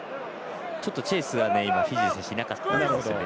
ちょっとチェースがフィジーの選手いなかったですね。